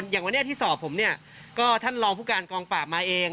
อย่างวันนี้ที่สอบผมเนี่ยก็ท่านรองผู้การกองปราบมาเอง